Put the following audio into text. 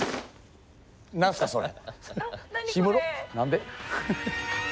何すかそれ？